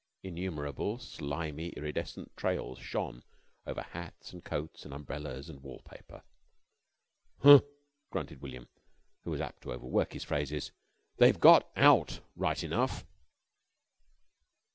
Innumerable slimy iridescent trails shone over hats, and coats, and umbrellas, and wall paper. "Huh!" grunted William, who was apt to overwork his phrases. "They've got out right enough."